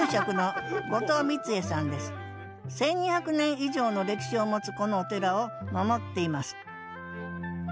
１，２００年以上の歴史を持つこのお寺を守っています。